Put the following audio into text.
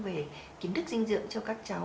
về kiến thức dinh dưỡng cho các cháu